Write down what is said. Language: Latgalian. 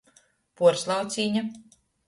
Puorslaucine.